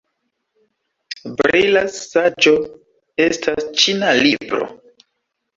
Brilas saĝo estas ĉina libro.